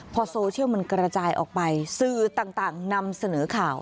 พอโซเชียลมันกระจายออกไปสื่อต่างนำเสนอข่าว